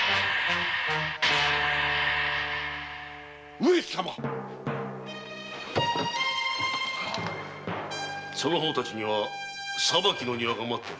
上様⁉そのほうたちには裁きの庭が待っているぞ！